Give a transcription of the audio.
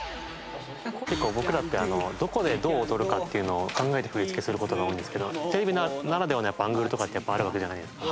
結構僕らってどこでどう踊るかっていうのを考えて振り付けする事が多いんですけどテレビならではのやっぱアングルとかってやっぱあるわけじゃないですか。